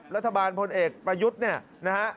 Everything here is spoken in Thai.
รัฐบาลพลเอกประยุทธ์เนี่ยนะฮะ